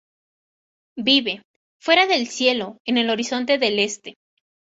Vive "fuera del cielo, en el horizonte del este".